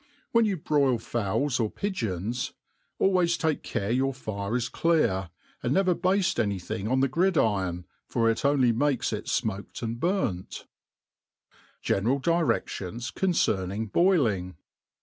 When you broil fowl$. or pigeons, always take care your finQ is clears and never bafte any thing pi^ the gridiron, for i( only makes it fmoked and burnt* • General DireAion^ concerning Boiling^.